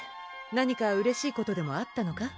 何かうれしいことでもあったのか？